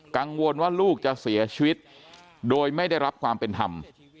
กังวลว่าลูกจะเสียชีวิตโดยไม่ได้รับความเป็นธรรม